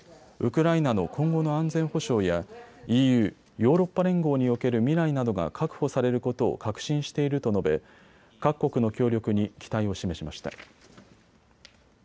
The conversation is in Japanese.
ウクライナの今後の安全保障やＥＵ・ヨーロッパ連合における未来などが確保されることを確信していると述べ各国の協力に期待を示しました。